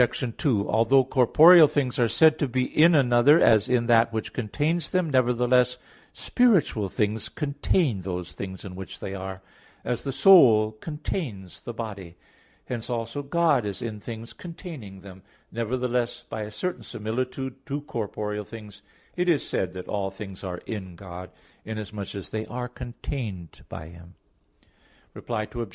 2: Although corporeal things are said to be in another as in that which contains them, nevertheless, spiritual things contain those things in which they are; as the soul contains the body. Hence also God is in things containing them; nevertheless, by a certain similitude to corporeal things, it is said that all things are in God; inasmuch as they are contained by Him. Reply Obj.